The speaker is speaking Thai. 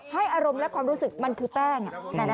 อารมณ์และความรู้สึกมันคือแป้ง